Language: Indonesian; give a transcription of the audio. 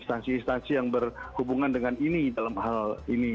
stasiun stasiun yang berhubungan dengan ini